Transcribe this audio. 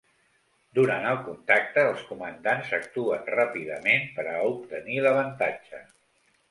Durant el contacte, els comandants actuen ràpidament per a obtenir l'avantatge.